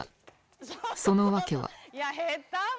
その訳は。